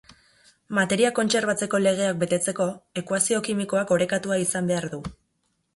Materia kontserbatzeko legeak betetzeko, ekuazio kimikoak orekatua izan behar du.